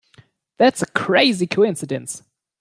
That's a crazy coincidence!